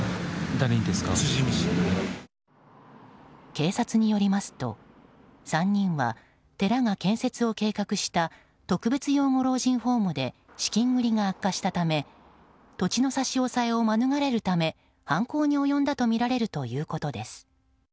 警察によりますと、３人は寺が建設を計画した特別養護老人ホームで資金繰りが悪化したため土地の差し押さえを免れるため犯行に及んだとみられるということです。